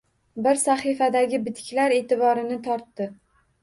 Bir sahifadagi bitiklar eʼtiborini tortdi